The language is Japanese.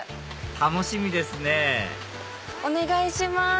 楽しみですねお願いします。